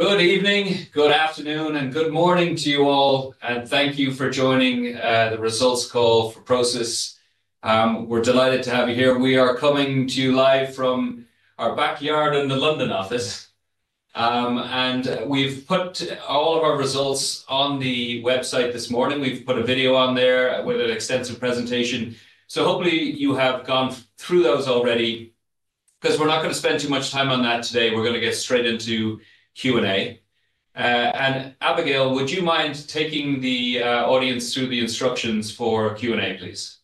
Good evening, good afternoon, and good morning to you all, and thank you for joining the results call for Prosus. We're delighted to have you here. We are coming to you live from our backyard in the London office, and we've put all of our results on the website this morning. We've put a video on there with an extensive presentation, so hopefully you have gone through those already, because we're not going to spend too much time on that today. We're going to get straight into Q&A. Abigail, would you mind taking the audience through the instructions for Q&A, please?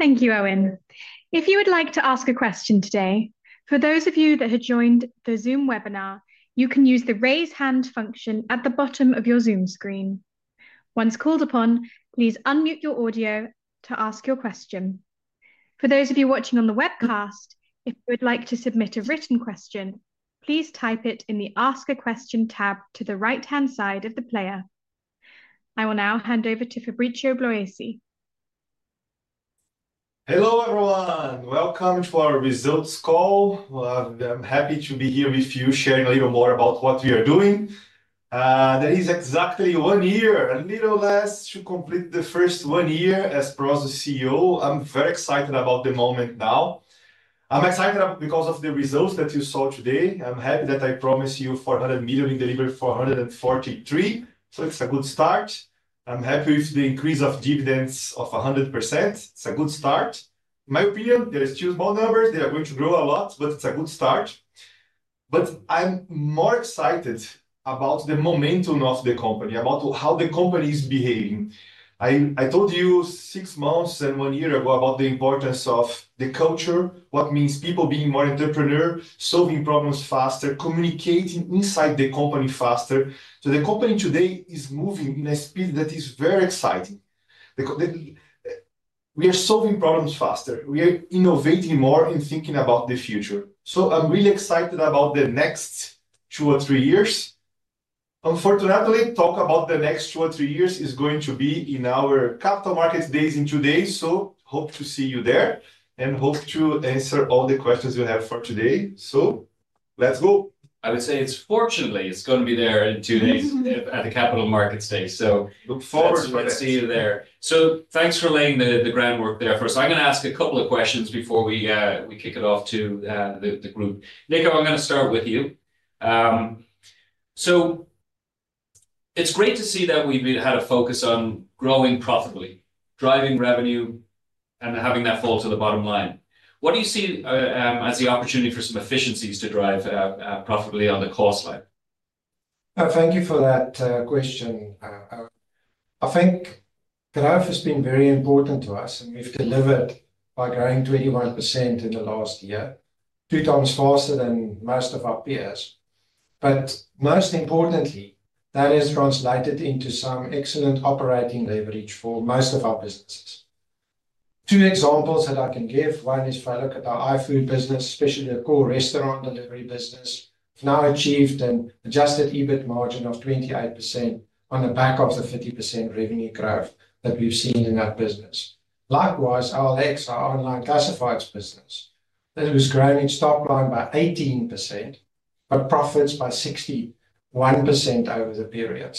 Thank you, Eoin. If you would like to ask a question today, for those of you that have joined the Zoom webinar, you can use the raise hand function at the bottom of your Zoom screen. Once called upon, please unmute your audio to ask your question. For those of you watching on the webcast, if you would like to submit a written question, please type it in the Ask a Question tab to the right-hand side of the player. I will now hand over to Fabricio Bloisi. Hello, everyone. Welcome to our results call. I'm happy to be here with you, sharing a little more about what we are doing. That is exactly one year, a little less, to complete the first one year as Prosus CEO. I'm very excited about the moment now. I'm excited because of the results that you saw today. I'm happy that I promised you $400 million and delivered $443 million, so it's a good start. I'm happy with the increase of dividends of 100%. It's a good start. In my opinion, they are still small numbers. They are going to grow a lot, but it's a good start. I'm more excited about the momentum of the company, about how the company is behaving. I told you six months and one year ago about the importance of the culture, what means people being more entrepreneurial, solving problems faster, communicating inside the company faster. The company today is moving in a speed that is very exciting. We are solving problems faster. We are innovating more and thinking about the future. I am really excited about the next two or three years. Unfortunately, talk about the next two or three years is going to be in our capital markets days in two days, hope to see you there and hope to answer all the questions you have for today. Let's go. I would say it's fortunately going to be there in two days at the capital markets day. Look forward to seeing you there. Thanks for laying the groundwork there first. I'm going to ask a couple of questions before we kick it off to the group. Nico, I'm going to start with you. It's great to see that we've had a focus on growing profitably, driving revenue, and having that fall to the bottom line. What do you see as the opportunity for some efficiencies to drive profitably on the cost line? Thank you for that question. I think growth has been very important to us, and we've delivered by growing 21% in the last year, two times faster than most of our peers. Most importantly, that has translated into some excellent operating leverage for most of our businesses. Two examples that I can give, one is if I look at our iFood business, especially our core restaurant delivery business, we've now achieved an adjusted EBIT margin of 28% on the back of the 50% revenue growth that we've seen in our business. Likewise, our OLX, our online classifieds business, that was growing its top line by 18%, but profits by 61% over the period.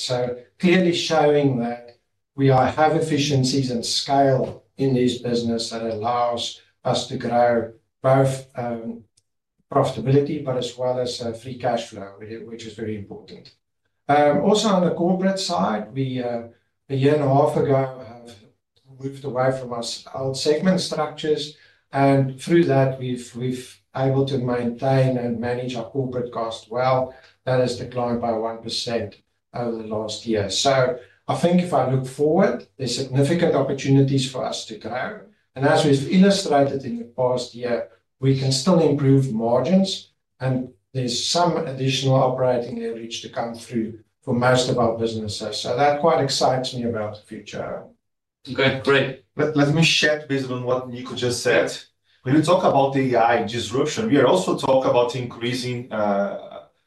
Clearly showing that we have efficiencies and scale in this business that allows us to grow both profitability, but as well as free cash flow, which is very important. Also, on the corporate side, a year and a half ago, we have moved away from our old segment structures, and through that, we've been able to maintain and manage our corporate costs well. That has declined by 1% over the last year. I think if I look forward, there are significant opportunities for us to grow. As we've illustrated in the past year, we can still improve margins, and there's some additional operating leverage to come through for most of our businesses. That quite excites me about the future. Okay, great. Let me share a bit on what Nico just said. When we talk about AI disruption, we are also talking about increasing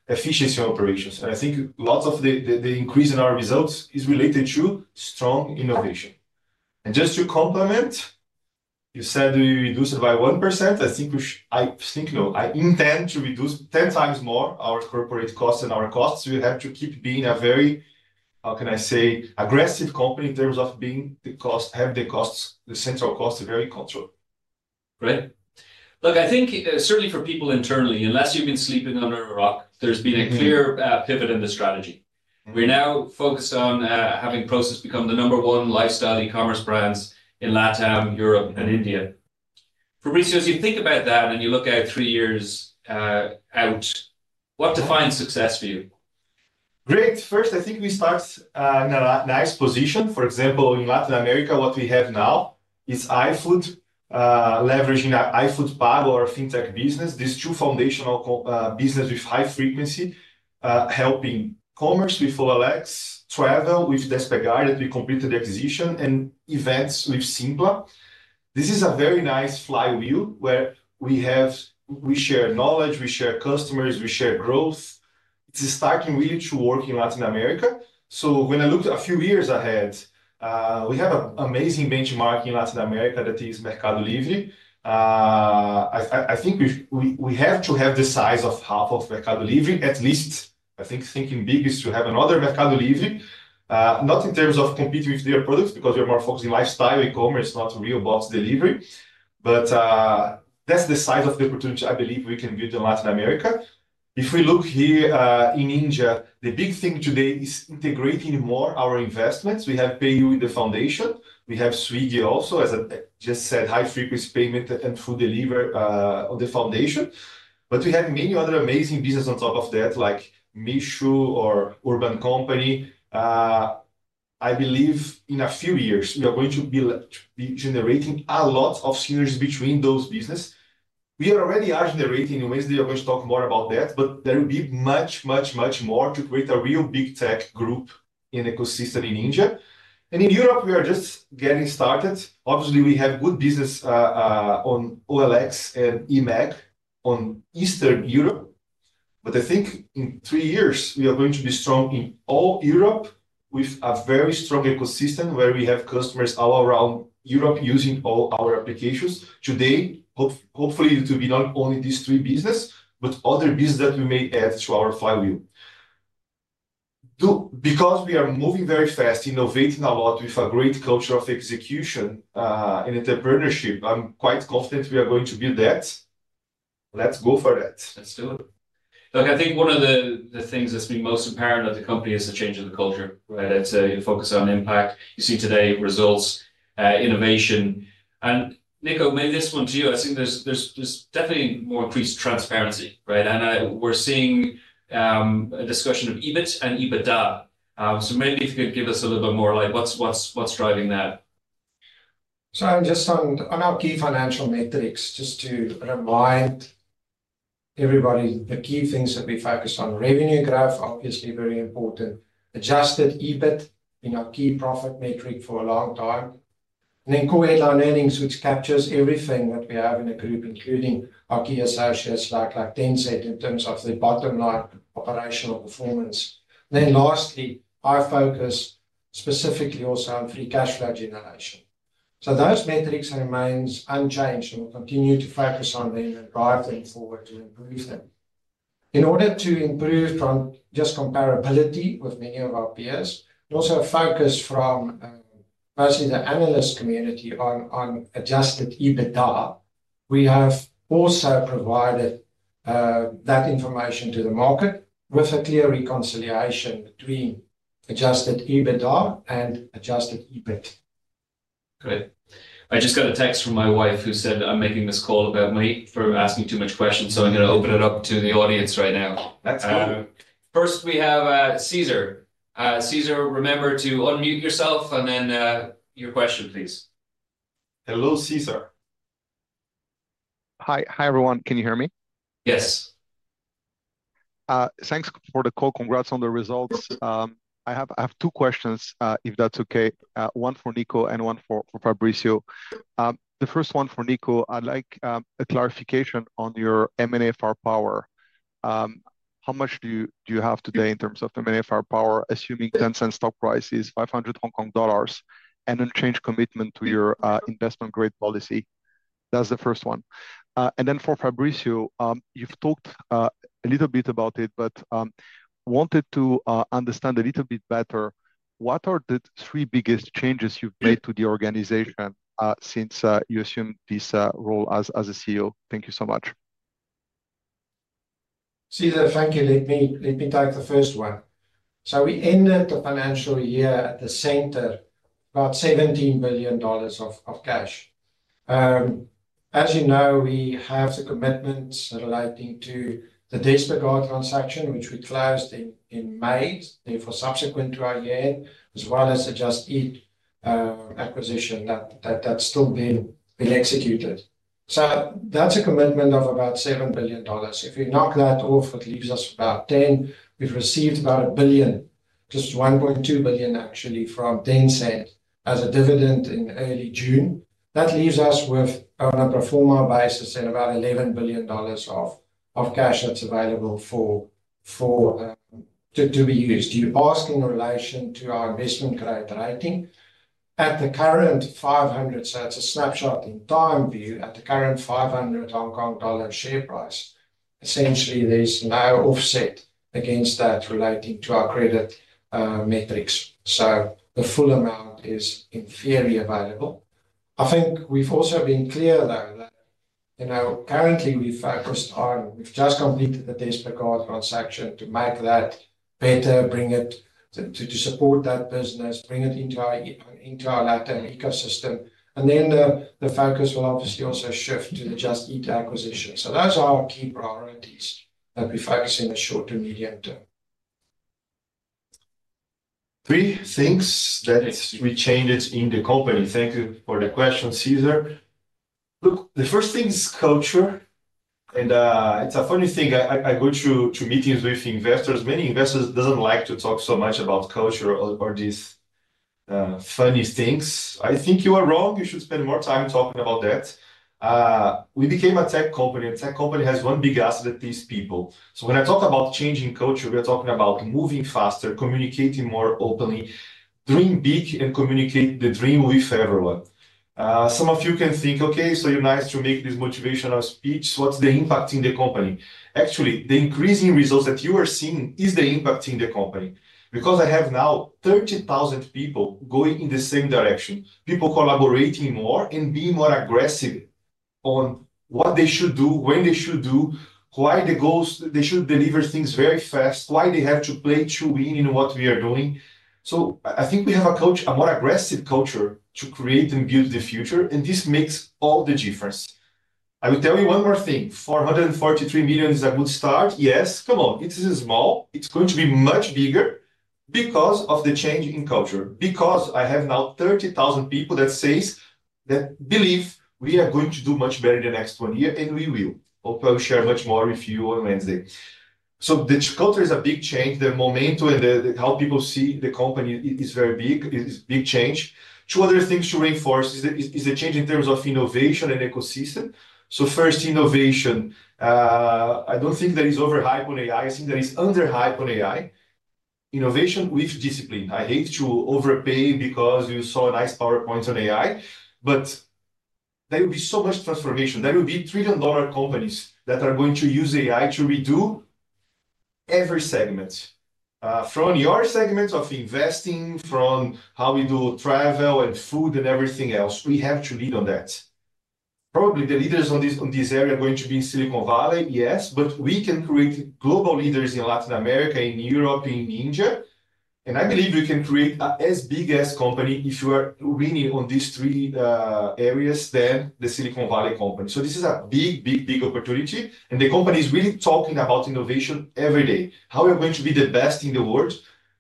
efficiency in operations. I think lots of the increase in our results is related to strong innovation. Just to complement, you said we reduce it by 1%. I think, I think no, I intend to reduce 10 times more our corporate costs and our costs. We have to keep being a very, how can I say, aggressive company in terms of being the cost, have the costs, the central costs very controlled. Right. Look, I think certainly for people internally, unless you've been sleeping under a rock, there's been a clear pivot in the strategy. We're now focused on having Prosus become the number one lifestyle e-commerce brands in LATAM, Europe, and India. Fabricio, as you think about that and you look out three years out, what defines success for you? Great. First, I think we start in a nice position. For example, in Latin America, what we have now is iFood, leveraging iFood, PayU, our fintech business, these two foundational businesses with high frequency, helping commerce with OLX, travel with Despegar that we completed the acquisition, and events with Sympla. This is a very nice flywheel where we share knowledge, we share customers, we share growth. It's starting really to work in Latin America. When I look a few years ahead, we have an amazing benchmark in Latin America that is Mercado Libre. I think we have to have the size of half of Mercado Libre, at least. I think thinking big is to have another Mercado Libre, not in terms of competing with their products because we are more focused in lifestyle e-commerce, not real box delivery. That's the size of the opportunity I believe we can build in Latin America. If we look here in India, the big thing today is integrating more our investments. We have PayU in the foundation. We have Swiggy also, as I just said, high frequency payment and food delivery on the foundation. We have many other amazing businesses on top of that, like Meesho or Urban Company. I believe in a few years, we are going to be generating a lot of synergies between those businesses. We already are generating in ways that we are going to talk more about, but there will be much, much, much more to create a real big tech group in ecosystem in India. In Europe, we are just getting started. Obviously, we have good business on OLX and eMAG in Eastern Europe. I think in three years, we are going to be strong in all Europe with a very strong ecosystem where we have customers all around Europe using all our applications. Today, hopefully, it will be not only these three businesses, but other businesses that we may add to our flywheel. Because we are moving very fast, innovating a lot with a great culture of execution and entrepreneurship, I'm quite confident we are going to build that. Let's go for that. Let's do it. Look, I think one of the things that's been most apparent at the company is the change of the culture, right? It's a focus on impact. You see today results, innovation. And Nico, maybe this one to you. I think there's definitely more increased transparency, right? And we're seeing a discussion of EBIT and EBITDA. So maybe if you could give us a little bit more like what's driving that? I'm just on our key financial metrics, just to remind everybody, the key things that we focus on, revenue growth, obviously very important, adjusted EBIT, been our key profit metric for a long time. Then core headline earnings, which captures everything that we have in the group, including our key associates like Tencent in terms of the bottom line operational performance. Lastly, our focus specifically also on free cash flow generation. Those metrics remain unchanged and we'll continue to focus on them and drive them forward to improve them. In order to improve just comparability with many of our peers, also a focus from mostly the analyst community on adjusted EBITDA, we have also provided that information to the market with a clear reconciliation between adjusted EBITDA and adjusted EBIT. Great. I just got a text from my wife who said I'm making this call about money for asking too much questions, so I'm going to open it up to the audience right now. That's fine. First, we have Cesar. Cesar, remember to unmute yourself and then your question, please. Hello, Cesar. Hi, everyone. Can you hear me? Yes. Thanks for the call. Congrats on the results. I have two questions, if that's okay, one for Nico and one for Fabrício. The first one for Nico, I'd like a clarification on your MNFR power. How much do you have today in terms of MNFR power, assuming Tencent stock price is 500 Hong Kong dollars and unchanged commitment to your investment grade policy? That's the first one. And then for Fabrício, you've talked a little bit about it, but wanted to understand a little bit better, what are the three biggest changes you've made to the organization since you assumed this role as CEO? Thank you so much. Cesar, thank you. Let me take the first one. We ended the financial year at the center, about $17 billion of cash. As you know, we have the commitment relating to the Despegar transaction, which we closed in May, therefore subsequent to our year, as well as the Just Eat acquisition that's still been executed. That's a commitment of about $7 billion. If we knock that off, it leaves us about $10 billion. We've received about $1.2 billion actually from Tencent as a dividend in early June. That leaves us with our number of former bases and about $11 billion of cash that's available to be used. You asked in relation to our investment grade rating. At the current 500, so it's a snapshot in time view, at the current 500 Hong Kong dollar share price, essentially there's no offset against that relating to our credit metrics. So the full amount is inferably available. I think we've also been clear, though, that currently we've focused on, we've just completed the Despegar transaction to make that better, bring it to support that business, bring it into our LATAM ecosystem. And then the focus will obviously also shift to the Just Eat acquisition. Those are our key priorities that we focus on in the short to medium term. Three things that we changed in the company. Thank you for the question, Cesar. Look, the first thing is culture. And it's a funny thing. I go to meetings with investors. Many investors don't like to talk so much about culture or these funny things. I think you are wrong. You should spend more time talking about that. We became a tech company. A tech company has one big asset that is people. When I talk about changing culture, we are talking about moving faster, communicating more openly, dream big, and communicate the dream with everyone. Some of you can think, okay, so you're nice to make this motivational speech. What's the impact in the company? Actually, the increasing results that you are seeing is the impact in the company because I have now 30,000 people going in the same direction, people collaborating more and being more aggressive on what they should do, when they should do, why they should deliver things very fast, why they have to play to win in what we are doing. I think we have a more aggressive culture to create and build the future, and this makes all the difference. I will tell you one more thing. $443 million is a good start. Yes, come on. It is small. It is going to be much bigger because of the change in culture, because I have now 30,000 people that believe we are going to do much better in the next one year, and we will. Hope I will share much more with you on Wednesday. The culture is a big change. The momentum and how people see the company is very big. It's a big change. Two other things to reinforce is the change in terms of innovation and ecosystem. First, innovation. I don't think that is over-hype on AI. I think that is under-hype on AI. Innovation with discipline. I hate to overpay because you saw a nice PowerPoint on AI, but there will be so much transformation. There will be trillion-dollar companies that are going to use AI to redo every segment. From your segment of investing, from how we do travel and food and everything else, we have to lead on that. Probably the leaders on this area are going to be in Silicon Valley, yes, but we can create global leaders in Latin America, in Europe, in India. I believe we can create an as big as company if you are winning on these three areas than the Silicon Valley company. This is a big, big, big opportunity. The company is really talking about innovation every day. How are we going to be the best in the world?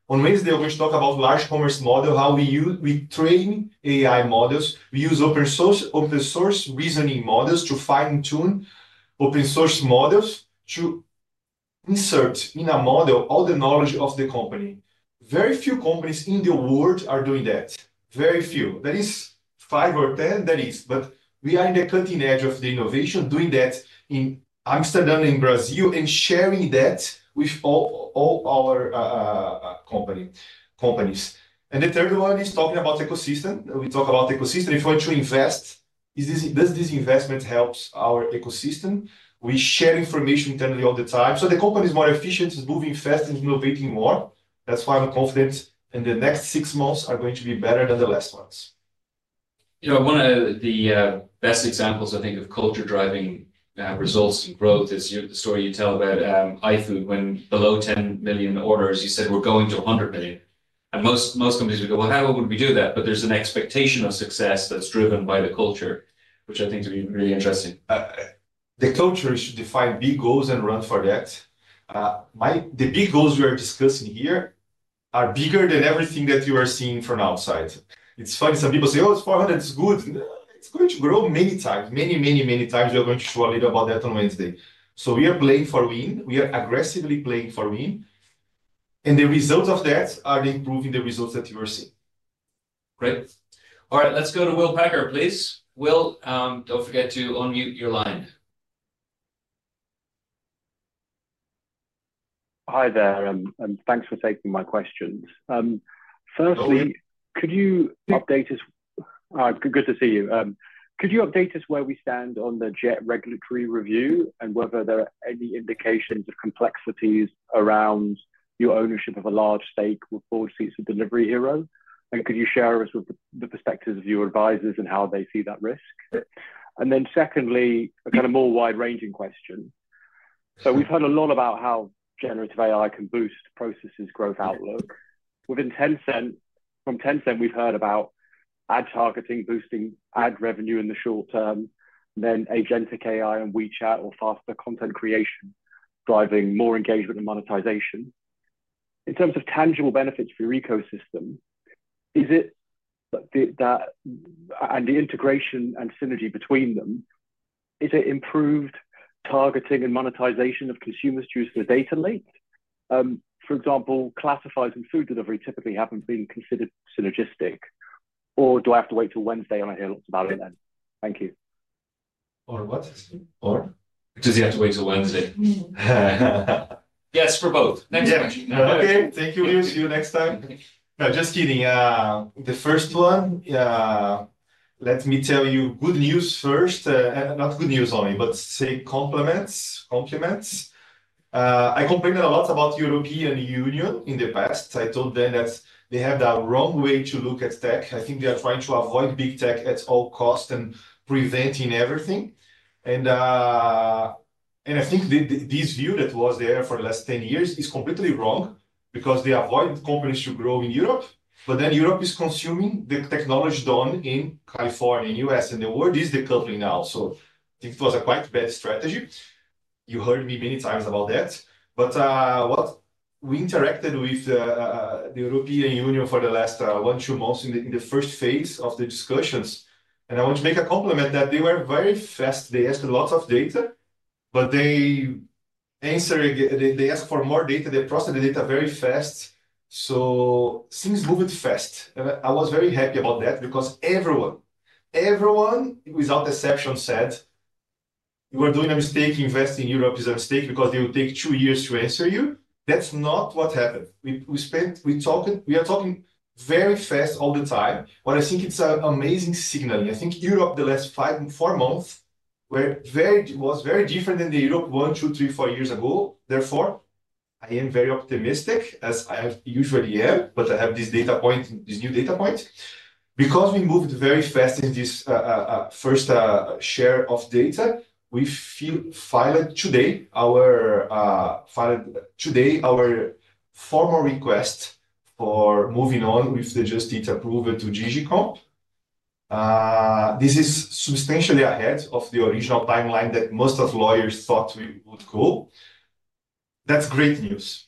On Wednesday, we're going to talk about large commerce model, how we train AI models. We use open-source reasoning models to fine-tune open-source models to insert in a model all the knowledge of the company. Very few companies in the world are doing that. Very few. That is five or ten, that is. We are in the cutting edge of the innovation, doing that in Amsterdam, in Brazil, and sharing that with all our companies. The third one is talking about ecosystem. We talk about ecosystem. If we're to invest, does this investment help our ecosystem? We share information internally all the time. The company is more efficient, is moving fast, is innovating more. That's why I'm confident in the next six months are going to be better than the last months. You know, one of the best examples, I think, of culture driving results and growth is the story you tell about iFood when below 10 million orders, you said, "We're going to 100 million." Most companies will go, "Well, how would we do that?" There is an expectation of success that's driven by the culture, which I think is really interesting. The culture should define big goals and run for that. The big goals we are discussing here are bigger than everything that you are seeing from outside. It's funny. Some people say, "Oh, it's 400, it's good." It's going to grow many times, many, many, many times. We are going to show a little about that on Wednesday. We are playing for win. We are aggressively playing for win. The results of that are improving the results that you are seeing. Great. All right, let's go to Will Packer, please. Will, don't forget to unmute your line. Hi there, and thanks for taking my questions. Firstly, could you update us? Good to see you. Could you update us where we stand on the Just Eat Takeaway regulatory review and whether there are any indications of complexities around your ownership of a large stake with four seats of Delivery Hero? Could you share with us the perspectives of your advisors and how they see that risk? Secondly, a kind of more wide-ranging question. We have heard a lot about how generative AI can boost Prosus' growth outlook. From Tencent, we have heard about ad targeting, boosting ad revenue in the short term, then agentic AI and WeChat or faster content creation, driving more engagement and monetization. In terms of tangible benefits for your ecosystem, is it that and the integration and synergy between them, is it improved targeting and monetization of consumers' use of the data link? For example, classifieds and food delivery typically haven't been considered synergistic, or do I have to wait till Wednesday and I hear lots about it then? Thank you. Or what? Or? Does he have to wait till Wednesday? Yes, for both. Thanks so much. Okay, thank you, Lewis. See you next time. No, just kidding. The first one, let me tell you good news first. Not good news only, but say compliments. I complained a lot about the European Union in the past. I told them that they have the wrong way to look at tech. I think they are trying to avoid big tech at all costs and preventing everything. I think this view that was there for the last 10 years is completely wrong because they avoid companies to grow in Europe, but then Europe is consuming the technology done in California, in the U.S., and the world is decoupling now. I think it was a quite bad strategy. You heard me many times about that. We interacted with the European Union for the last one, two months in the first phase of the discussions. I want to make a compliment that they were very fast. They asked lots of data, but they answered again. They asked for more data. They processed the data very fast. Things moved fast. I was very happy about that because everyone, everyone without exception said, "You are doing a mistake. Investing in Europe is a mistake because it will take two years to answer you." That is not what happened. We are talking very fast all the time. I think it is an amazing signal. I think Europe, the last four months, was very different than the Europe one, two, three, four years ago. Therefore, I am very optimistic, as I usually am, but I have this new data point. Because we moved very fast in this first share of data, we filed today our formal request for moving on with the Just Eat approval to Digicom. This is substantially ahead of the original timeline that most of the lawyers thought we would go. That's great news.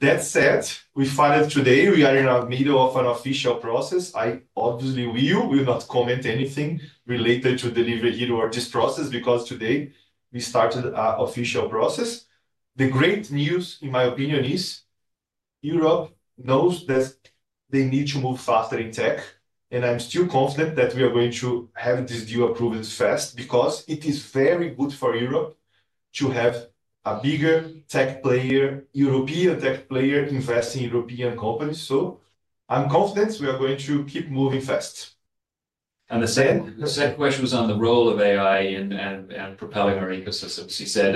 That said, we filed today. We are in the middle of an official process. I obviously will not comment on anything related to Delivery Hero or this process because today we started an official process. The great news, in my opinion, is Europe knows that they need to move faster in tech. I'm still confident that we are going to have this deal approved fast because it is very good for Europe to have a bigger tech player, European tech player investing in European companies. I'm confident we are going to keep moving fast. The second question was on the role of AI and propelling our ecosystems. He said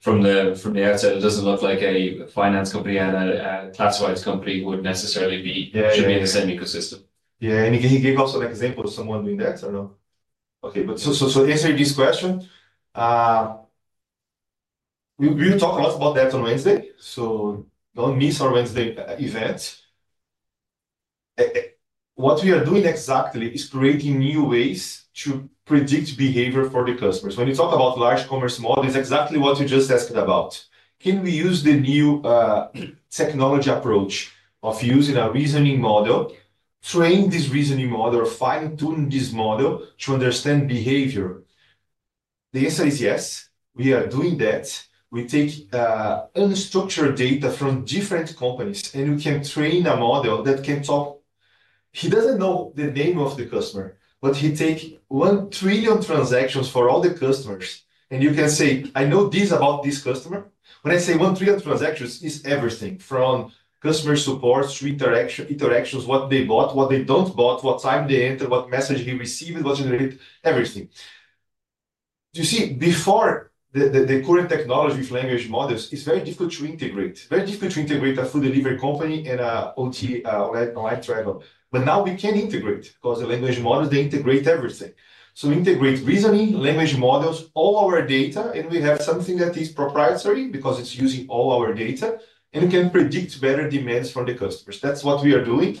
from the outset, it doesn't look like a finance company and a classifieds company would necessarily be in the same ecosystem. Yeah, and he gave also an example of someone doing that, I don't know. Okay, to answer this question, we will talk a lot about that on Wednesday. Do not miss our Wednesday event. What we are doing exactly is creating new ways to predict behavior for the customers. When you talk about large commerce model, it is exactly what you just asked about. Can we use the new technology approach of using a reasoning model, train this reasoning model, or fine-tune this model to understand behavior? The answer is yes. We are doing that. We take unstructured data from different companies, and we can train a model that can talk. He does not know the name of the customer, but he takes one trillion transactions for all the customers. You can say, "I know this about this customer." When I say one trillion transactions, it's everything from customer support to interactions, what they bought, what they don't bought, what time they entered, what message he received, what he did, everything. You see, before the current technology with language models, it's very difficult to integrate. It's very difficult to integrate a food delivery company and an online travel. Now we can integrate because the language models, they integrate everything. We integrate reasoning, language models, all our data, and we have something that is proprietary because it's using all our data, and we can predict better demands from the customers. That's what we are doing.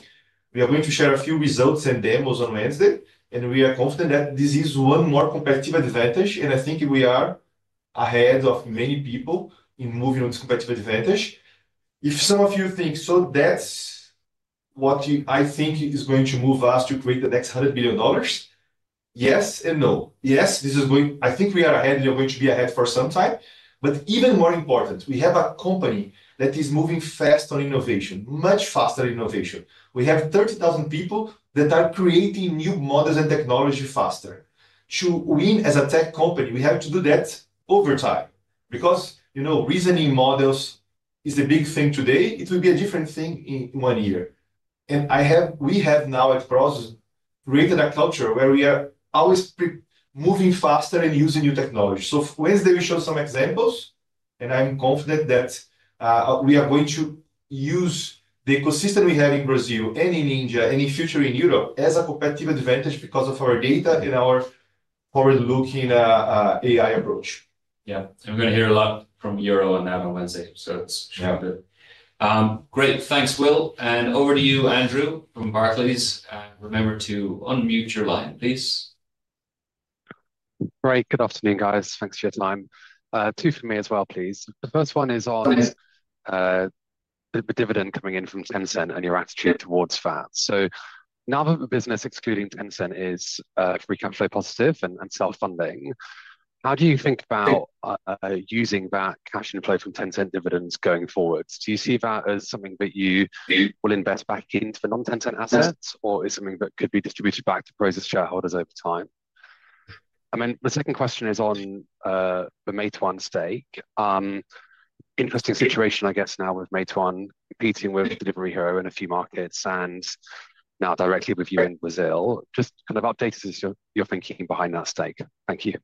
We are going to share a few results and demos on Wednesday. We are confident that this is one more competitive advantage. I think we are ahead of many people in moving on this competitive advantage. If some of you think, "So that's what I think is going to move us to create the next $100 billion," yes and no. Yes, this is going, I think we are ahead and we are going to be ahead for some time. Even more important, we have a company that is moving fast on innovation, much faster innovation. We have 30,000 people that are creating new models and technology faster. To win as a tech company, we have to do that over time because reasoning models is a big thing today. It will be a different thing in one year. We have now at Prosus created a culture where we are always moving faster and using new technology. Wednesday, we showed some examples, and I'm confident that we are going to use the ecosystem we have in Brazil and in India and in future in Europe as a competitive advantage because of our data and our forward-looking AI approach. Yeah, I'm going to hear a lot from Euro on that on Wednesday. So it's good. Great. Thanks, Will. And over to you, Andrew from Barclays. Remember to unmute your line, please. Great. Good afternoon, guys. Thanks for your time. Two for me as well, please. The first one is on the dividend coming in from Tencent and your attitude towards that. Now that the business, excluding Tencent, is free cash flow positive and self-funding, how do you think about using that cash inflow from Tencent dividends going forwards? Do you see that as something that you will invest back into the non-Tencent assets, or is it something that could be distributed back to Prosus shareholders over time? The second question is on the Meituan stake. Interesting situation, I guess, now with Meituan competing with Delivery Hero in a few markets and now directly with you in Brazil. Just kind of update us as to your thinking behind that stake. Thank you.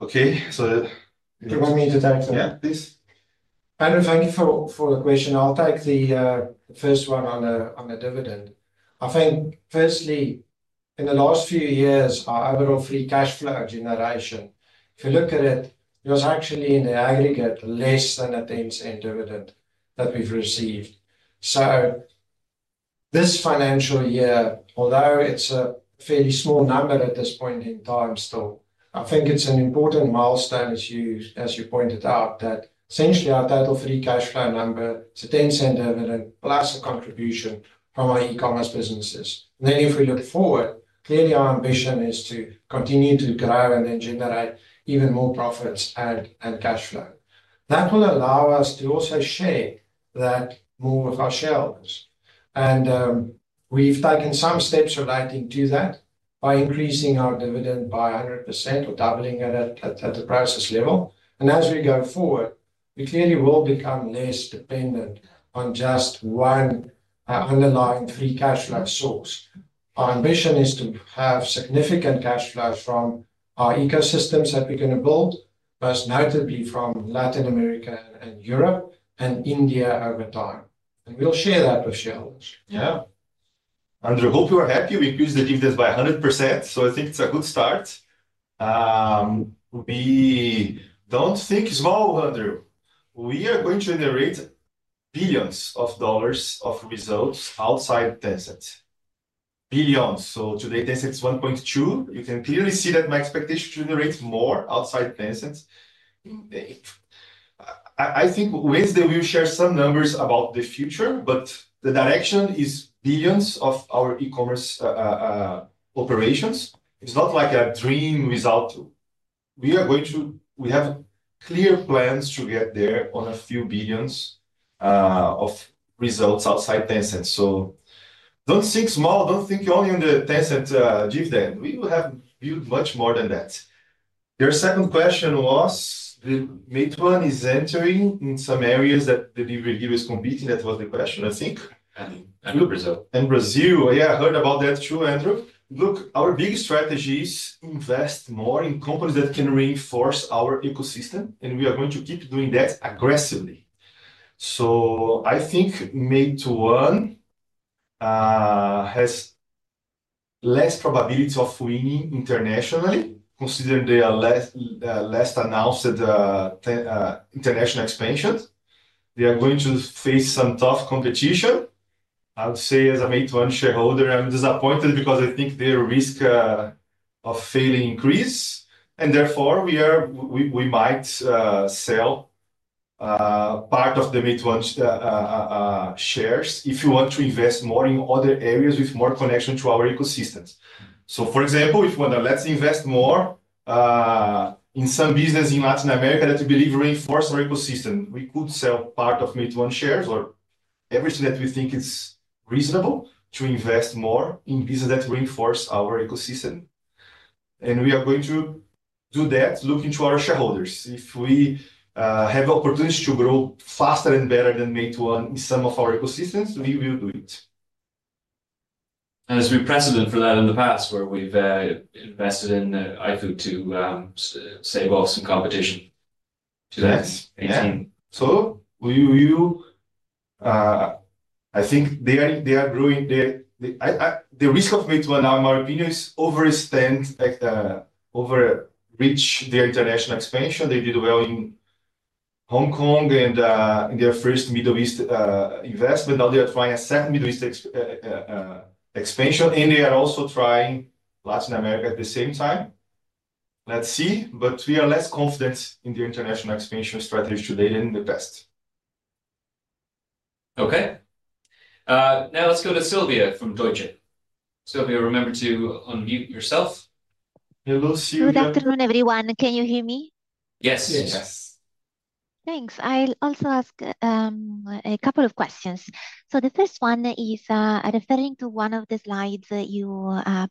Okay. So you want me to take some, Yes, please. Andrew, thank you for the question. I'll take the first one on the dividend. I think, firstly, in the last few years, our overall free cash flow generation, if you look at it, it was actually in the aggregate less than a Tencent dividend that we've received. This financial year, although it's a fairly small number at this point in time still, I think it's an important milestone, as you pointed out, that essentially our total free cash flow number, it's a Tencent dividend plus a contribution from our e-commerce businesses. If we look forward, clearly our ambition is to continue to grow and then generate even more profits and cash flow. That will allow us to also share that more with our shareholders. We've taken some steps relating to that by increasing our dividend by 100% or doubling it at the Prosus level. As we go forward, we clearly will become less dependent on just one underlying free cash flow source. Our ambition is to have significant cash flow from our ecosystems that we're going to build, most notably from Latin America and Europe and India over time. We'll share that with shareholders. Yeah. Andrew, I hope you are happy. We increased the dividends by 100%. I think it's a good start. We don't think small, Andrew. We are going to generate billions of dollars of results outside Tencent. Billions. Today, Tencent is 1.2. You can clearly see that my expectation is to generate more outside Tencent. I think Wednesday, we will share some numbers about the future, but the direction is billions of our e-commerce operations. It's not like a dream without. We are going to have clear plans to get there on a few billions of results outside Tencent. Don't think small. Don't think only on the Tencent dividend. We will have built much more than that. Your second question was, Meituan is entering in some areas that Delivery Hero is competing. That was the question, I think. And Brazil. Brazil. Yeah, I heard about that too, Andrew. Look, our big strategy is to invest more in companies that can reinforce our ecosystem, and we are going to keep doing that aggressively. I think Meituan has less probability of winning internationally, considering they are less announced at international expansion. They are going to face some tough competition. I would say, as a Meituan shareholder, I'm disappointed because I think their risk of failing increases. Therefore, we might sell part of the Meituan shares if you want to invest more in other areas with more connection to our ecosystem. For example, if you want to let's invest more in some business in Latin America that we believe reinforces our ecosystem, we could sell part of Meituan shares or everything that we think is reasonable to invest more in business that reinforces our ecosystem. We are going to do that, looking to our shareholders. If we have the opportunity to grow faster and better than Meituan in some of our ecosystems, we will do it. As we've precedent for that in the past, where we've invested in iFood to stave off some competition to that. Yes. I think they are growing. The risk of Meituan, in my opinion, is over-extend, over-reach their international expansion. They did well in Hong Kong and their first Middle East investment. Now they are trying a second Middle East expansion, and they are also trying Latin America at the same time. Let's see. We are less confident in their international expansion strategy today than in the past. Okay. Now let's go to Sylvia from Deutsche. Sylvia, remember to unmute yourself. Hello, Sylvia. Good afternoon, everyone. Can you hear me? Yes. Yes. Thanks. I'll also ask a couple of questions. The first one is referring to one of the slides that you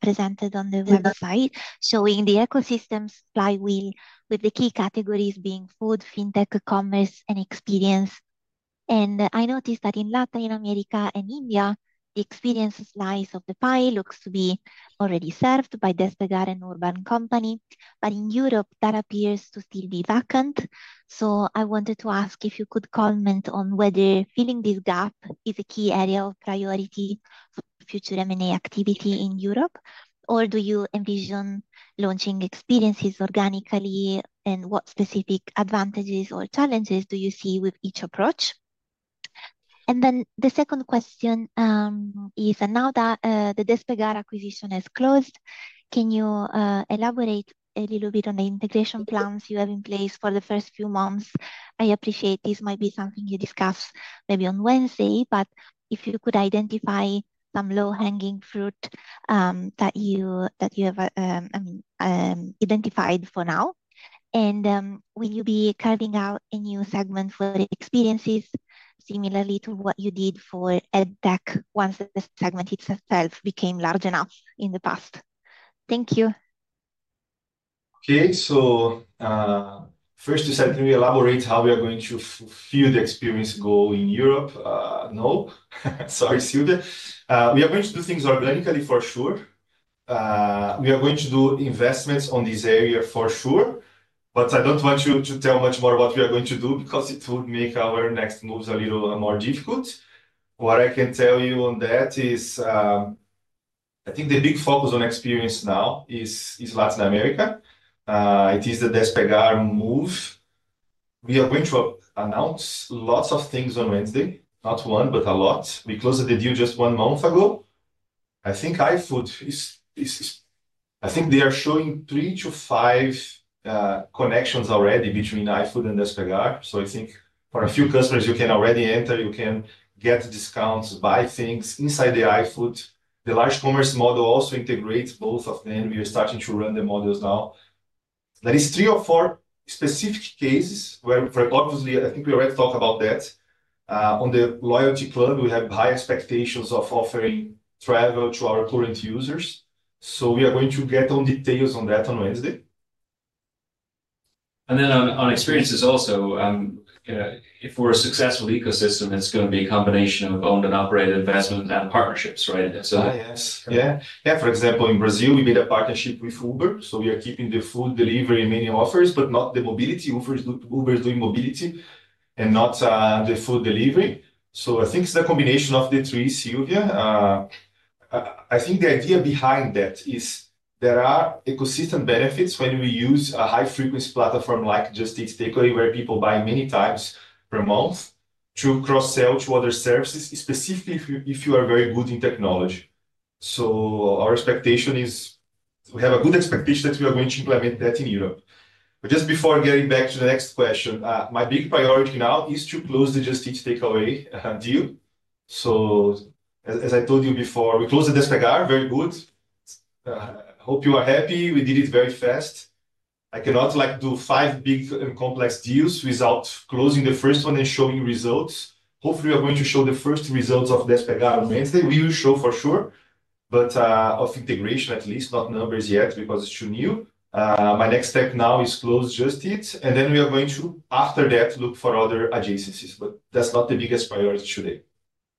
presented on the website showing the ecosystem flywheel with the key categories being food, fintech, commerce, and experience. I noticed that in Latin America and India, the experience slice of the pie looks to be already served by Despegar and Urban Company. In Europe, that appears to still be vacant. I wanted to ask if you could comment on whether filling this gap is a key area of priority for future M&A activity in Europe, or do you envision launching experiences organically, and what specific advantages or challenges do you see with each approach? The second question is, now that the Despegar acquisition has closed, can you elaborate a little bit on the integration plans you have in place for the first few months? I appreciate this might be something you discuss maybe on Wednesday, but if you could identify some low-hanging fruit that you have identified for now. Will you be carving out a new segment for experiences similarly to what you did for EdTech once the segment itself became large enough in the past? Thank you. Okay. First, can we elaborate how we are going to fill the experience goal in Europe? No. Sorry, Sylvia. We are going to do things organically, for sure. We are going to do investments in this area, for sure. I do not want to tell you much more about what we are going to do because it would make our next moves a little more difficult. What I can tell you on that is I think the big focus on experience now is Latin America. It is the Despegar move. We are going to announce lots of things on Wednesday, not one, but a lot. We closed the deal just one month ago. I think iFood, I think they are showing three to five connections already between iFood and Despegar. I think for a few customers, you can already enter, you can get discounts, buy things inside the iFood. The large commerce model also integrates both of them. We are starting to run the models now. That is three or four specific cases where, obviously, I think we already talked about that. On the loyalty club, we have high expectations of offering travel to our current users. We are going to get all details on that on Wednesday. On experiences also, if we are a successful ecosystem, it is going to be a combination of owned and operated investment and partnerships, right? Yes. Yeah. For example, in Brazil, we made a partnership with Uber. We are keeping the food delivery in many offers, but not the mobility offers. Uber is doing mobility and not the food delivery. I think it is the combination of the three, Sylvia. I think the idea behind that is there are ecosystem benefits when we use a high-frequency platform like Just Eat Takeaway, where people buy many times per month to cross-sell to other services, specifically if you are very good in technology. Our expectation is we have a good expectation that we are going to implement that in Europe. Just before getting back to the next question, my big priority now is to close the Just Eat Takeaway deal. As I told you before, we closed the Despegar. Very good. I hope you are happy. We did it very fast. I cannot do five big and complex deals without closing the first one and showing results. Hopefully, we are going to show the first results of Despegar on Wednesday. We will show for sure, but of integration, at least, not numbers yet because it's too new. My next step now is close Just Eat. After that, we are going to look for other adjacencies. That is not the biggest priority today.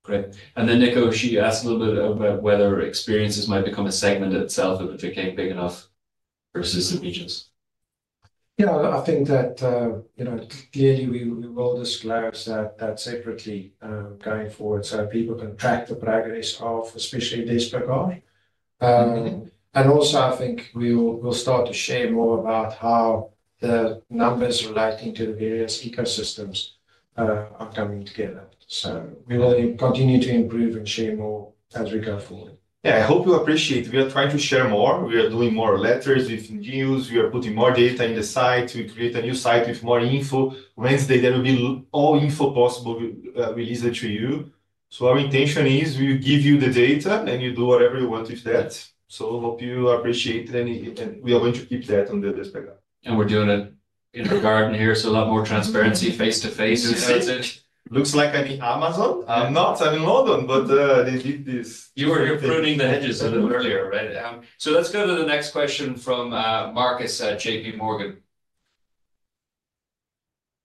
Great. Nicholas, you asked a little bit about whether experiences might become a segment itself if it became big enough versus the regions. Yeah, I think that clearly we will disclose that separately going forward so people can track the progress of especially Despegar. I think we'll start to share more about how the numbers relating to the various ecosystems are coming together. We will continue to improve and share more as we go forward. Yeah, I hope you appreciate. We are trying to share more. We are doing more letters with news. We are putting more data in the site. We create a new site with more info. Wednesday, there will be all info possible released to you. Our intention is we will give you the data and you do whatever you want with that. I hope you appreciate it. We are going to keep that on the Despegar. We're doing it in our garden here. A lot more transparency face to face. Looks like I'm in Amazon. I'm not. I'm in London, but they did this. You were pruning the hedges a little earlier, right? Let's go to the next question from Marcus J.P. Morgan.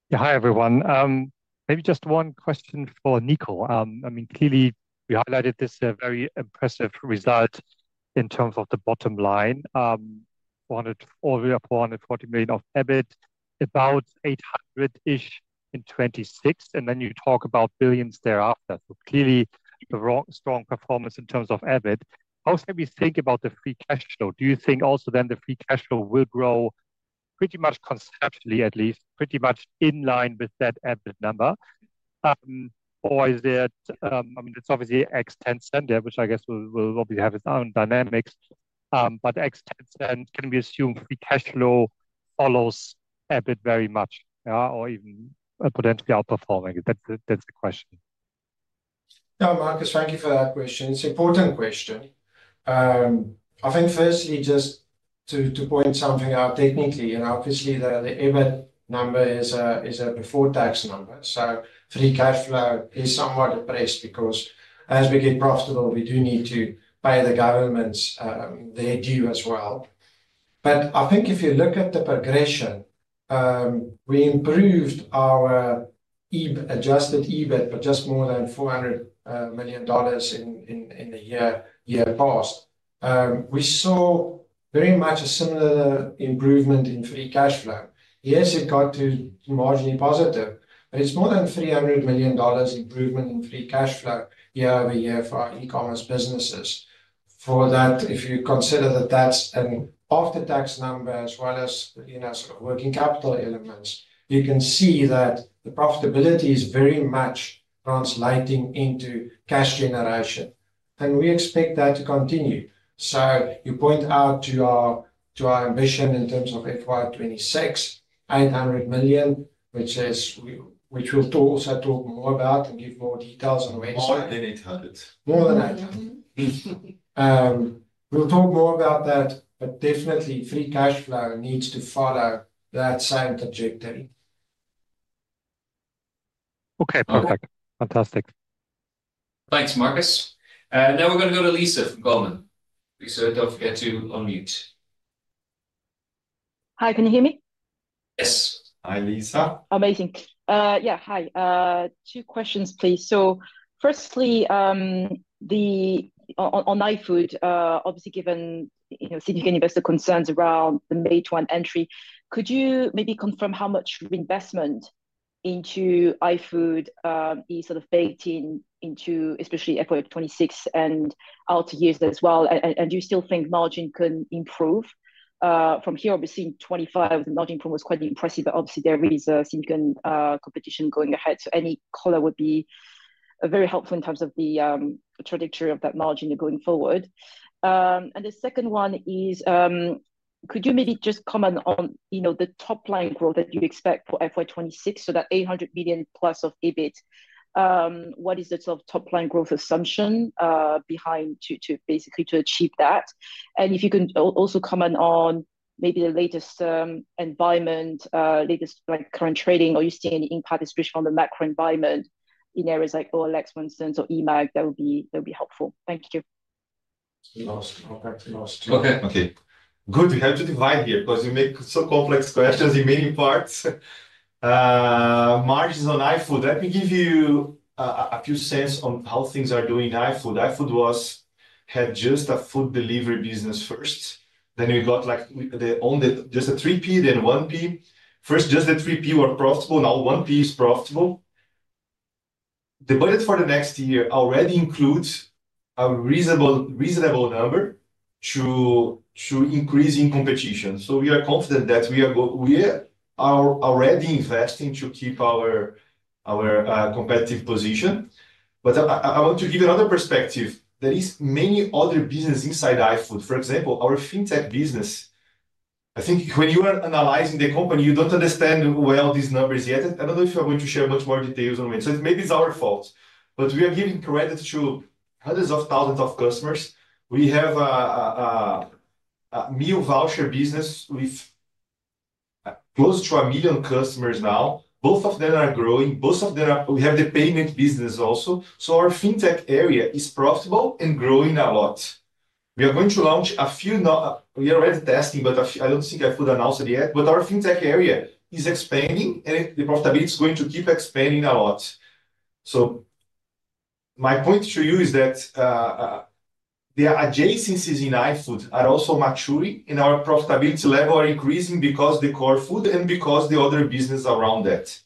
Yeah, hi, everyone. Maybe just one question for Nico. I mean, clearly, we highlighted this very impressive result in terms of the bottom line. We're on a $440 million of EBIT, about $800 million-ish in 2026. And then you talk about billions thereafter. Clearly, a strong performance in terms of EBIT. Also, if you think about the free cash flow, do you think also then the free cash flow will grow pretty much conceptually, at least, pretty much in line with that EBIT number? Or is it, I mean, it's obviously ex-Tencent, which I guess will obviously have its own dynamics. Ex-Tencent, can we assume free cash flow follows EBIT very much or even potentially outperforming it? That's the question. No, Marcus, thank you for that question. It's an important question. I think firstly, just to point something out technically, and obviously, the EBIT number is a before-tax number. Free cash flow is somewhat a breeze because as we get profitable, we do need to pay the government's deal as well. I think if you look at the progression, we improved our adjusted EBIT for just more than $400 million in the year past. We saw very much a similar improvement in free cash flow. Yes, it got to marginally positive, but it's more than $300 million improvement in free cash flow year over year for e-commerce businesses. For that, if you consider that that's an after-tax number as well as sort of working capital elements, you can see that the profitability is very much translating into cash generation. We expect that to continue. You point out to our ambition in terms of FY2026, $800 million, which we'll also talk more about and give more details on Wednesday. More than 800. More than 800. We'll talk more about that, but definitely free cash flow needs to follow that same trajectory. Okay, perfect. Fantastic. Thanks, Marcus. Now we're going to go to Lisa from Goldman. Lisa, don't forget to unmute. Hi, can you hear me? Yes. Hi, Lisa. Amazing. Yeah, hi. Two questions, please. Firstly, on iFood, obviously, given significant investor concerns around the Meituan entry, could you maybe confirm how much reinvestment into iFood is sort of baked in, especially for fiscal year 2026 and out years as well? Do you still think margin can improve from here? Obviously, in 2025, the margin improvement was quite impressive, but obviously, there is significant competition going ahead. Any color would be very helpful in terms of the trajectory of that margin going forward. The second one is, could you maybe just comment on the top-line growth that you expect for fiscal year 2026, so that $800 million plus of EBIT? What is the top-line growth assumption behind to basically achieve that? If you can also comment on maybe the latest environment, latest current trading, or you see any impact especially on the macro environment in areas like OLX, for instance, or eMAG, that would be helpful. Thank you. Okay. Okay. Good. We have to divide here because you make so complex questions in many parts. Margins on iFood, let me give you a few cents on how things are doing in iFood. iFood had just a food delivery business first. Then we got just a 3P then 1P. First, just the 3P were profitable. Now 1P is profitable. The budget for the next year already includes a reasonable number to increase in competition. We are confident that we are already investing to keep our competitive position. I want to give you another perspective. There are many other businesses inside iFood. For example, our fintech business, I think when you are analyzing the company, you do not understand well these numbers yet. I do not know if you are going to share much more details on it. Maybe it is our fault. But we are giving credit to hundreds of thousands of customers. We have a meal voucher business with close to 1 million customers now. Both of them are growing. Both of them are, we have the payment business also. So our fintech area is profitable and growing a lot. We are going to launch a few, we are already testing, but I do not think iFood announced it yet. But our fintech area is expanding, and the profitability is going to keep expanding a lot. My point to you is that the adjacencies in iFood are also maturing, and our profitability level is increasing because of the core food and because of the other businesses around that.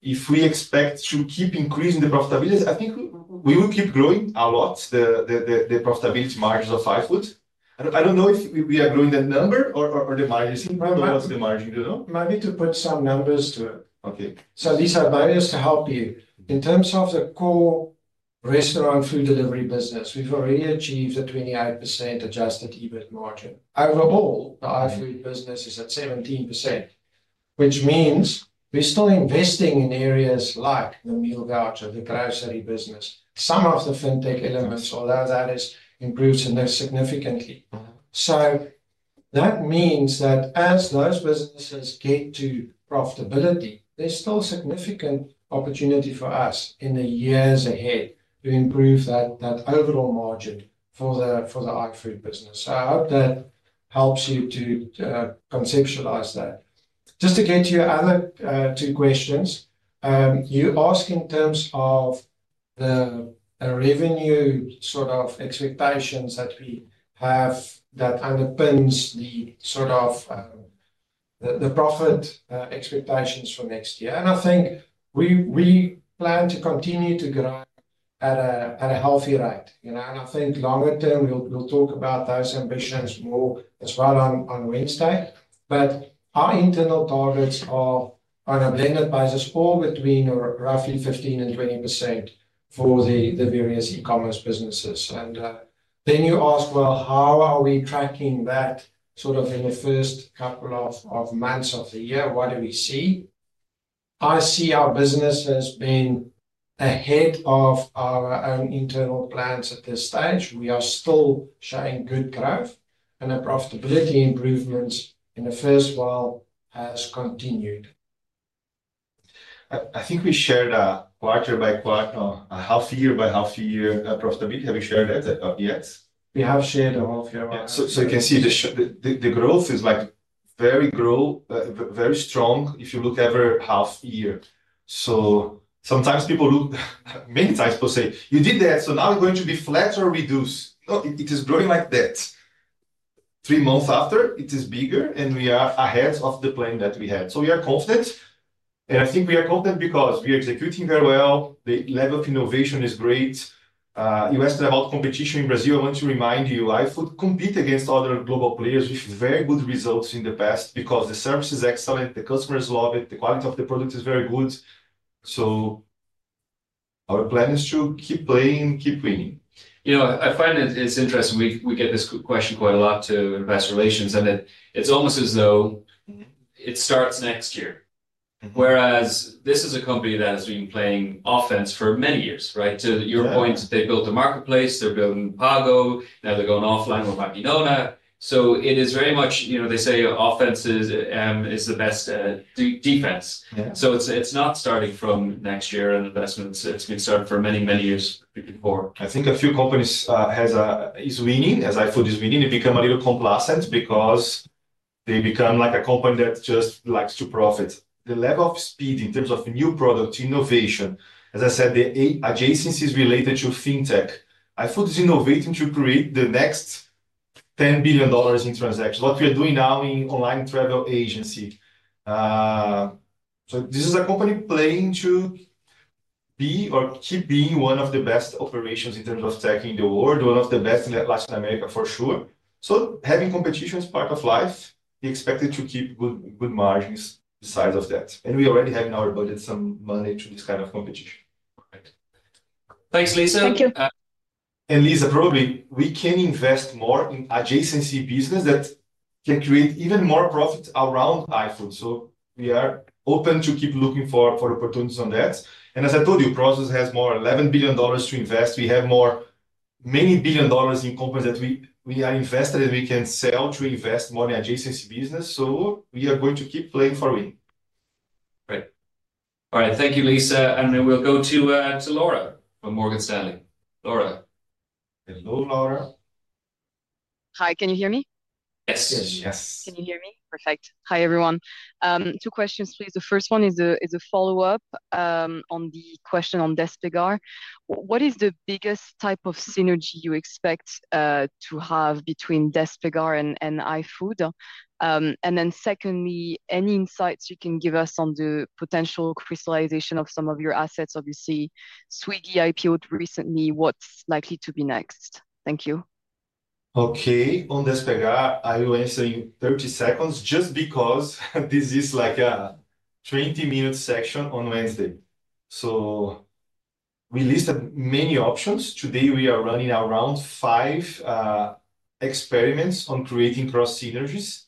If we expect to keep increasing the profitability, I think we will keep growing a lot, the profitability margins of iFood. I do not know if we are growing the number or the margins. What's the margin? Maybe to put some numbers to it. Lisa, just to help you, in terms of the core restaurant food delivery business, we've already achieved a 28% adjusted EBIT margin. Overall, the iFood business is at 17%, which means we're still investing in areas like the meal voucher, the grocery business, some of the fintech elements, although that has improved significantly. That means that as those businesses get to profitability, there's still significant opportunity for us in the years ahead to improve that overall margin for the iFood business. I hope that helps you to conceptualize that. Just to get to your other two questions, you ask in terms of the revenue sort of expectations that we have that underpins the sort of the profit expectations for next year. I think we plan to continue to grow at a healthy rate. I think longer term, we'll talk about those ambitions more as well on Wednesday. Our internal targets are on a blended basis, all between roughly 15%-20% for the various e-commerce businesses. You ask, how are we tracking that sort of in the first couple of months of the year? What do we see? I see our business has been ahead of our own internal plans at this stage. We are still showing good growth, and our profitability improvements in the first while have continued. I think we shared a quarter-by-quarter, a half-year-by-half-year profitability. Have you shared that yet? We have shared a half-year-by-half-year. You can see the growth is very strong if you look every half-year. Sometimes people look many times per say, "You did that, so now it's going to be flat or reduced." No, it is growing like that. Three months after, it is bigger, and we are ahead of the plan that we had. We are confident. I think we are confident because we are executing very well. The level of innovation is great. You asked about competition in Brazil. I want to remind you, iFood competes against other global players with very good results in the past because the service is excellent. The customers love it. The quality of the product is very good. Our plan is to keep playing, keep winning. You know, I find it's interesting. We get this question quite a lot to investor relations, and it's almost as though it starts next year. Whereas this is a company that has been playing offense for many years, right? To your point, they built a marketplace. They're building Pago. Now they're going offline with Mackinona. It is very much, you know, they say offense is the best defense. It's not starting from next year and investments. It's been started for many, many years before. I think a few companies are winning, as iFood is winning. They become a little complacent because they become like a company that just likes to profit. The level of speed in terms of new product innovation, as I said, the adjacencies related to fintech, iFood is innovating to create the next $10 billion in transactions, what we are doing now in online travel agency. This is a company playing to be or keep being one of the best operations in terms of tech in the world, one of the best in Latin America for sure. Having competition is part of life. We expect it to keep good margins besides that. We already have in our budget some money to this kind of competition. Thanks, Lisa. Thank you. Lisa, probably we can invest more in adjacency business that can create even more profit around iFood. We are open to keep looking for opportunities on that. As I told you, Prosus has more than $11 billion to invest. We have many billion dollars in companies that we are invested in. We can sell to invest more in adjacency business. We are going to keep playing for win. All right. Thank you, Lisa. We will go to Laura from Morgan Stanley. Laura. Hello, Laura. Hi, can you hear me? Yes. Can you hear me? Perfect. Hi, everyone. Two questions, please. The first one is a follow-up on the question on Despegar. What is the biggest type of synergy you expect to have between Despegar and iFood? Secondly, any insights you can give us on the potential crystallization of some of your assets? Obviously, Swiggy IPOed recently. What's likely to be next? Thank you. Okay. On Despegar, I will answer in 30 seconds just because this is like a 20-minute section on Wednesday. We listed many options. Today, we are running around five experiments on creating cross synergies.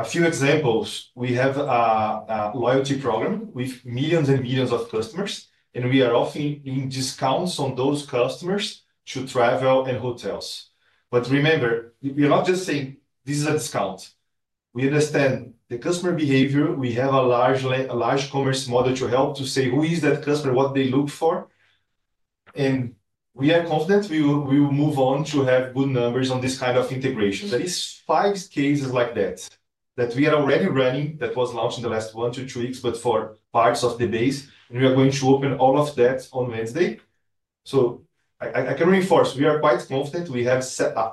A few examples, we have a loyalty program with millions and millions of customers, and we are offering discounts on those customers to travel and hotels. Remember, we are not just saying this is a discount. We understand the customer behavior. We have a large commerce model to help to say who is that customer, what they look for. We are confident we will move on to have good numbers on this kind of integration. There are five cases like that that we are already running that was launched in the last one to two weeks, but for parts of the base. We are going to open all of that on Wednesday. I can reinforce we are quite confident. We have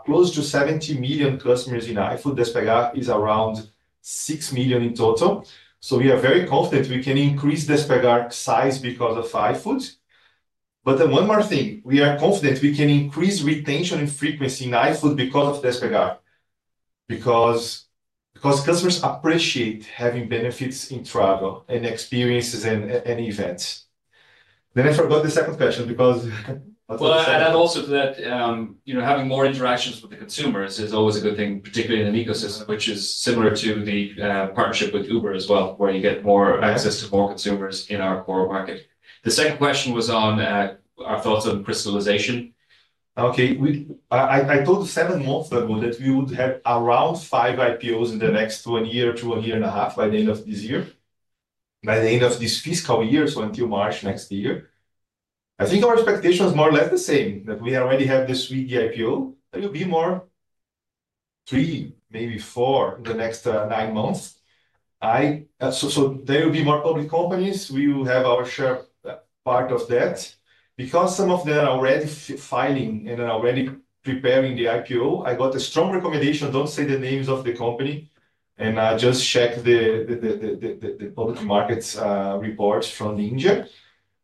close to 70 million customers in iFood. Despegar is around 6 million in total. We are very confident we can increase Despegar's size because of iFood. One more thing, we are confident we can increase retention and frequency in iFood because of Despegar, because customers appreciate having benefits in travel and experiences and events. I forgot the second question because. Add on also to that, having more interactions with the consumers is always a good thing, particularly in an ecosystem, which is similar to the partnership with Uber as well, where you get more access to more consumers in our core market. The second question was on our thoughts on crystallization. Okay. I told you seven months ago that we would have around five IPOs in the next one year to one year and a half by the end of this year, by the end of this fiscal year, so until March next year. I think our expectation is more or less the same that we already have the Swiggy IPO. There will be more, three, maybe four in the next nine months. There will be more public companies. We will have our share part of that. Because some of them are already filing and are already preparing the IPO, I got a strong recommendation. Do not say the names of the company. I just checked the public markets reports from Ninja.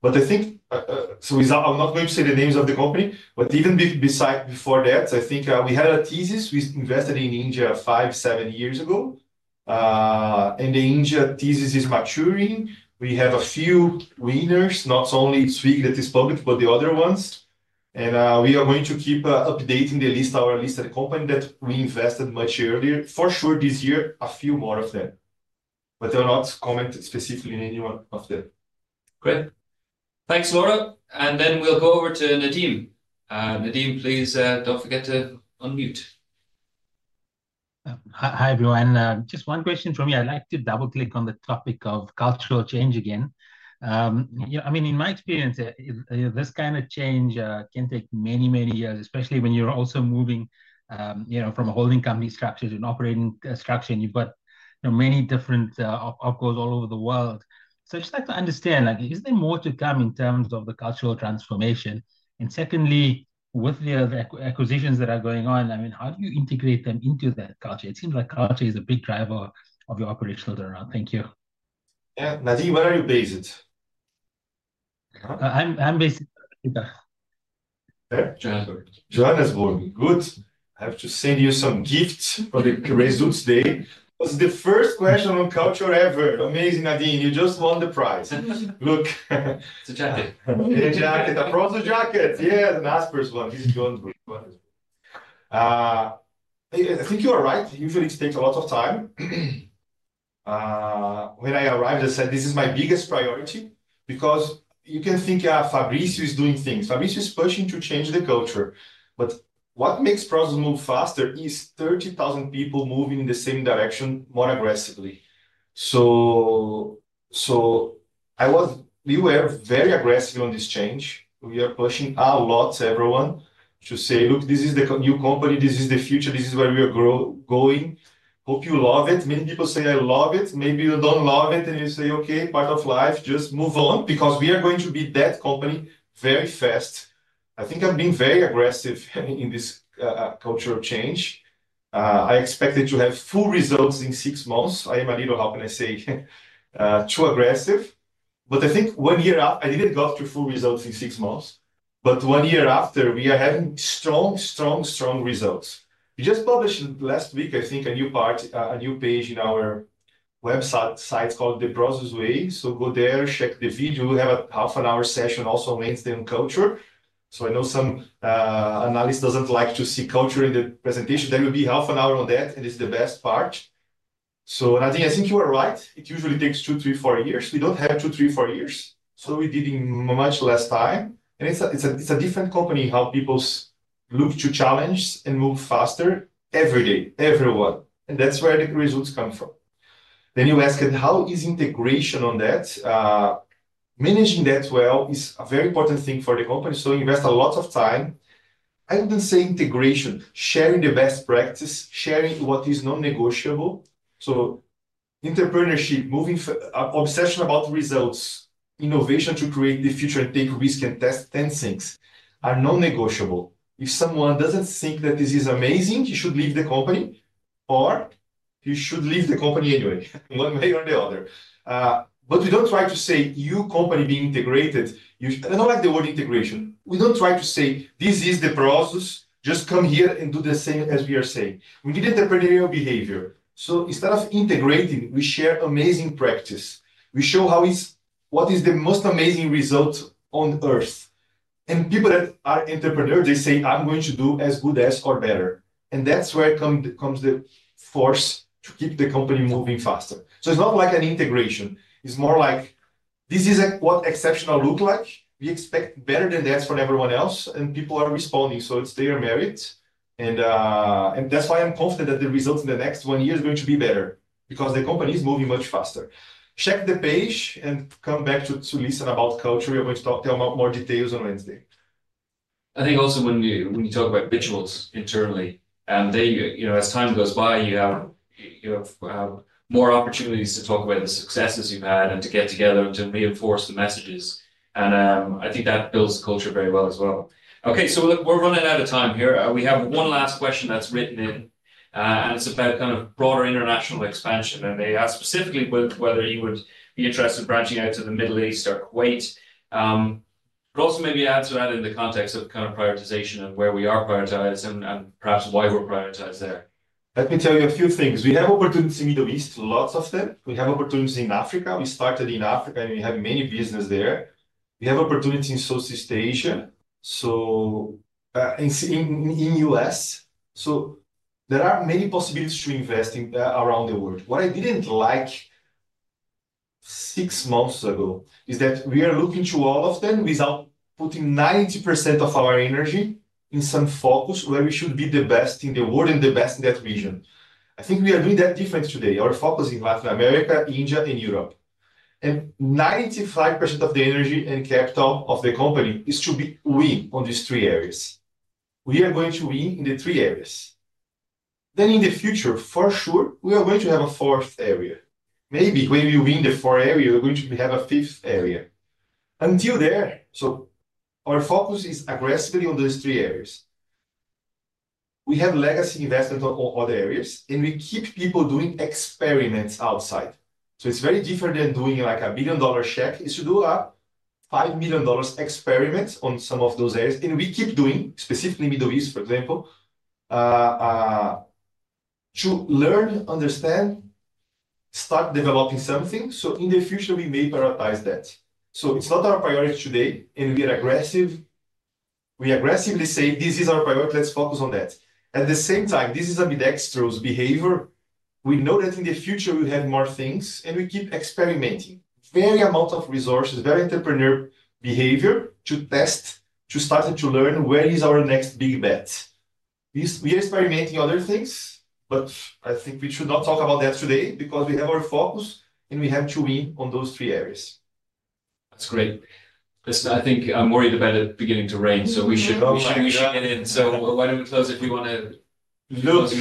I think, I am not going to say the names of the company, but even before that, I think we had a thesis. We invested in Ninja five, seven years ago. The Ninja thesis is maturing. We have a few winners, not only Swiggy that is public, but the other ones. We are going to keep updating the list, our listed company that we invested much earlier. For sure, this year, a few more of them. I'll not comment specifically on any one of them. Great. Thanks, Laura. Then we'll go over to [Nadeem]. [Nadeem], please don't forget to unmute. Hi, everyone. Just one question for me. I'd like to double-click on the topic of cultural change again. I mean, in my experience, this kind of change can take many, many years, especially when you're also moving from a holding company structure to an operating structure. And you've got many different opcos all over the world. I just like to understand, is there more to come in terms of the cultural transformation? Secondly, with the acquisitions that are going on, I mean, how do you integrate them into that culture? It seems like culture is a big driver of your operational turnout. Thank you. Yeah. Nadeem, where are you based? I'm based in Johannesburg. Johannesburg. Good. I have to send you some gifts for the Results Day. Was the first question on culture ever. Amazing, [Nadeem]. You just won the prize. Look. The jacket. The jacket. The Prosus jacket. Yeah, the Naspers one. He's a good one. I think you are right. Usually, it takes a lot of time. When I arrived, I said, this is my biggest priority because you can think Fabrício is doing things. Fabrício is pushing to change the culture. What makes Prosus move faster is 30,000 people moving in the same direction more aggressively. We were very aggressive on this change. We are pushing a lot everyone to say, look, this is the new company. This is the future. This is where we are going. Hope you love it. Many people say, I love it. Maybe you do not love it. You say, okay, part of life, just move on because we are going to be that company very fast. I think I have been very aggressive in this cultural change. I expected to have full results in six months. I am a little, how can I say, too aggressive. I think one year after, I did not go through full results in six months. One year after, we are having strong, strong, strong results. We just published last week, I think, a new part, a new page in our website called The Prosus Way. Go there, check the video. We have a half-an-hour session also on Wednesday on culture. I know some analysts do not like to see culture in the presentation. There will be half an hour on that, and it is the best part. Nadeem, I think you are right. It usually takes two, three, four years. We do not have two, three, four years. We did it in much less time. It's a different company how people look to challenge and move faster every day, everyone. That's where the results come from. You asked, how is integration on that? Managing that well is a very important thing for the company. Invest a lot of time. I wouldn't say integration, sharing the best practices, sharing what is non-negotiable. Entrepreneurship, moving, obsession about results, innovation to create the future and take risk and test things are non-negotiable. If someone doesn't think that this is amazing, you should leave the company or you should leave the company anyway, one way or the other. We don't try to say your company being integrated. I don't like the word integration. We don't try to say, this is the process. Just come here and do the same as we are saying. We need entrepreneurial behavior. Instead of integrating, we share amazing practice. We show what is the most amazing result on earth. And people that are entrepreneurs, they say, I'm going to do as good as or better. That is where comes the force to keep the company moving faster. It is not like an integration. It is more like this is what exceptional looks like. We expect better than that for everyone else. People are responding. They are merit. That is why I'm confident that the results in the next one year are going to be better because the company is moving much faster. Check the page and come back to listen about culture. We are going to talk more details on Wednesday. I think also when you talk about rituals internally, as time goes by, you have more opportunities to talk about the successes you've had and to get together and to reinforce the messages. I think that builds the culture very well as well. Okay, we are running out of time here. We have one last question that's written in, and it's about kind of broader international expansion. They ask specifically whether you would be interested in branching out to the Middle East or Kuwait. Maybe answer that in the context of kind of prioritization and where we are prioritized and perhaps why we're prioritized there. Let me tell you a few things. We have opportunities in the Middle East, lots of them. We have opportunities in Africa. We started in Africa, and we have many businesses there. We have opportunities in Southeast Asia, so in the U.S. So there are many possibilities to invest around the world. What I didn't like six months ago is that we are looking to all of them without putting 90% of our energy in some focus where we should be the best in the world and the best in that region. I think we are doing that differently today. Our focus is in Latin America, India, and Europe. And 95% of the energy and capital of the company is to be we on these three areas. We are going to win in the three areas. Then in the future, for sure, we are going to have a fourth area. Maybe when we win the four areas, we're going to have a fifth area. Until there, our focus is aggressively on those three areas. We have legacy investment in other areas, and we keep people doing experiments outside. It's very different than doing like a billion-dollar check. It's to do a $5 million experiment on some of those areas. We keep doing, specifically Middle East, for example, to learn, understand, start developing something. In the future, we may prioritize that. It's not our priority today, and we are aggressive. We aggressively say, this is our priority. Let's focus on that. At the same time, this is a bit extra behavior. We know that in the future, we'll have more things, and we keep experimenting. Very amount of resources, very entrepreneurial behavior to test, to start and to learn where is our next big bet. We are experimenting other things, but I think we should not talk about that today because we have our focus, and we have to win on those three areas. That's great. I think I'm worried about it beginning to rain, so we should get in. Why don't we close if you want to? Look,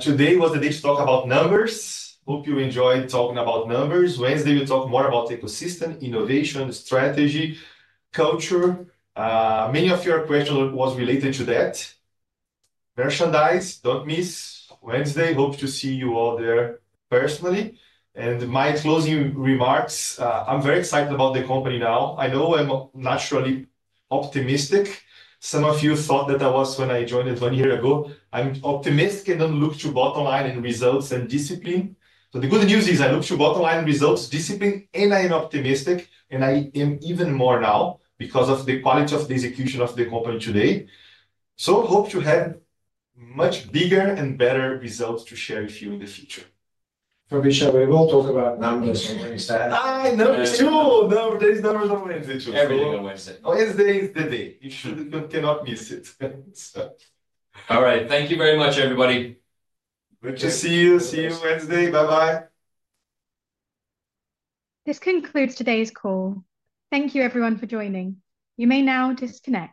today was the day to talk about numbers. Hope you enjoyed talking about numbers. Wednesday, we'll talk more about ecosystem, innovation, strategy, culture. Many of your questions were related to that. Merchandise, don't miss. Wednesday, hope to see you all there personally. In my closing remarks, I'm very excited about the company now. I know I'm naturally optimistic. Some of you thought that I was when I joined one year ago. I'm optimistic and do not look to bottom line and results and discipline. The good news is I look to bottom line and results, discipline, and I am optimistic. I am even more now because of the quality of the execution of the company today. Hope to have much bigger and better results to share with you in the future. Fabrizio, we will talk about numbers on Wednesday. I know. There are numbers on Wednesday. Every day on Wednesday. Wednesday is the day. You cannot miss it. All right. Thank you very much, everybody. Good to see you. See you Wednesday. Bye-bye. This concludes today's call. Thank you, everyone, for joining. You may now disconnect.